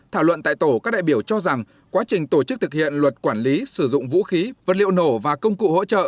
thảo luận tại tổ các đại biểu cho rằng quá trình tổ chức thực hiện luật quản lý sử dụng vũ khí vật liệu nổ và công cụ hỗ trợ